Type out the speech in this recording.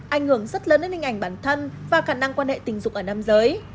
ảnh hưởng rất lớn đến hình ảnh bản thân và khả năng quan hệ tình dục ở nam giới